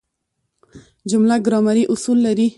جمله ګرامري اصول لري.